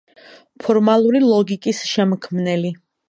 ფორმალური ლოგიკის შემქმნელი.